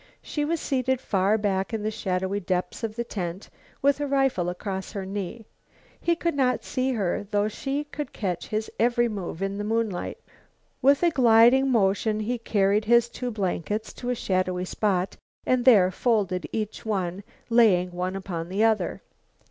She was seated far back in the shadowy depths of the tent with a rifle across her knee. He could not see her, though she could catch his every move in the moonlight. With a gliding motion he carried his two blankets to a shadowy spot and there folded each one, laying one upon the other.